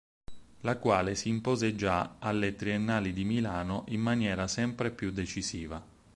La quale si impose già alle Triennali di Milano in maniera sempre più decisiva.